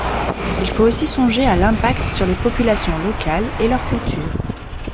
Il faut aussi songer à l'impact sur les populations locales et leurs cultures.